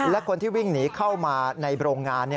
และคนที่วิ่งหนีเข้ามาในโรงงาน